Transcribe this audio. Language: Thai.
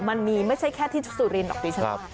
มันมีไม่ใช่แค่ที่สุรินทร์หรอกดิฉันว่า